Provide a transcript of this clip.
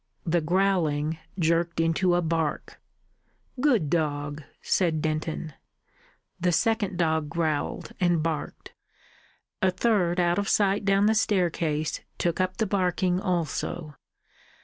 The growling jerked into a bark. "Good dog!" said Denton. The second dog growled and barked. A third out of sight down the staircase took up the barking also.